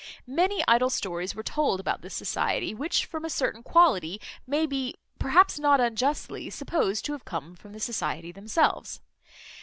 Many idle stories were told about this society, which from a certain quality may be, perhaps not unjustly, supposed to have come from the society themselves.